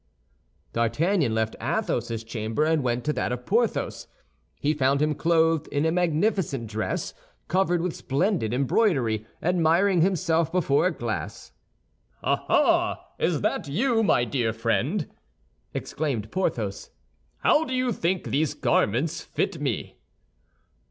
D'Artagnan left Athos's chamber and went to that of Porthos. He found him clothed in a magnificent dress covered with splendid embroidery, admiring himself before a glass. "Ah, ah! is that you, dear friend?" exclaimed Porthos. "How do you think these garments fit me?"